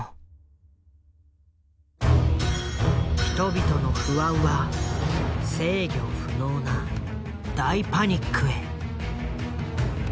人々の不安は制御不能な大パニックへ。